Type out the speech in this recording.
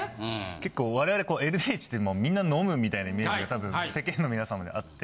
結構我々ＬＤＨってみんな飲むみたいなイメージが多分世間の皆様にはあって。